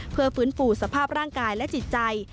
เพื่อฟื้นฟูสภาพร่างกายและจิตใจ